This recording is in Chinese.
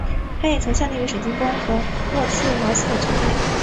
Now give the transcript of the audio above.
他也曾效力于水晶宫和朴茨茅斯等球队。